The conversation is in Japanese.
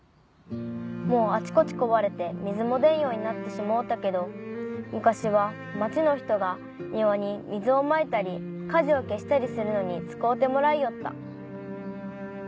もうあちこち壊れて水も出んようになってしもうたけど昔は町の人が庭に水をまいたり火事を消したりするのに使うてもらいよった」。